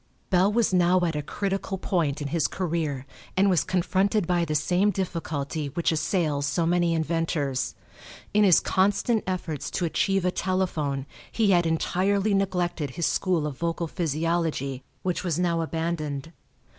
Bell was now at a critical point in his career and was confronted by the same difficulty which assails so many inventors. In his constant efforts to achieve a telephone he had entirely neglected his school of vocal physiology, which was now abandoned.